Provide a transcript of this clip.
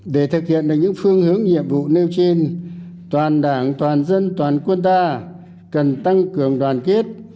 để thực hiện được những phương hướng nhiệm vụ nêu trên toàn đảng toàn dân toàn quân ta cần tăng cường đoàn kết